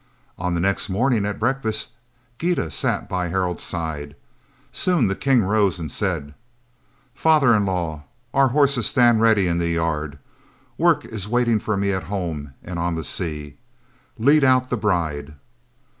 On the next morning at breakfast Gyda sat by Harald's side. Soon the king rose and said: "Father in law, our horses stand ready in the yard. Work is waiting for me at home and on the sea. Lead out the bride."